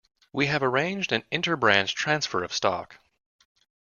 We have arranged an inter-branch transfer of stock.